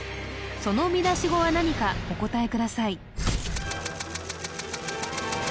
その見出し語は何かお答えください